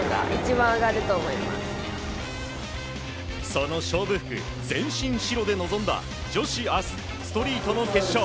その勝負服、全身白で臨んだ女子ストリートの決勝。